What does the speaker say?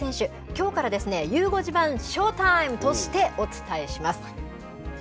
きょうから、ゆう５時版ショータイム！としてお伝えします。